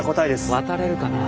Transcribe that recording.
渡れるかなあ。